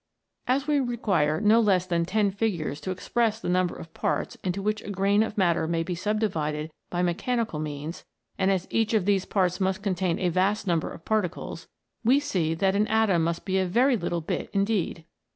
As we require no less than ten figures to express the number of parts into which a grain of matter may be subdivided by mechanical means, and as each of these parts must contain a vast A LITTLE BIT. 67 number of particles, we see that an atom must be a very little bit indeed